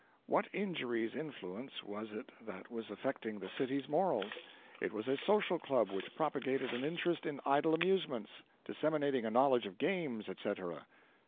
What injurious influence was it that was affecting the city's morals? It was a social club which propagated an interest in idle amusements, disseminated a knowledge of games, et cetera.